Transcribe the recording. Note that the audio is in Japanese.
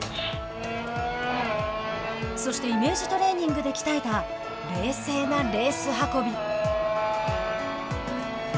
そしてイメージトレーニングで鍛えた冷静なレース運び。